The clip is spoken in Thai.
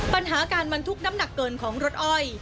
ปัญหาการบรรทุกน้ำหนักเกินของรถอ้อย